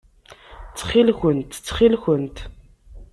Ttxil-kent! Ttxil-kent!